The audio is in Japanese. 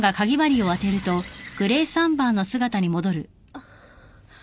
あっ。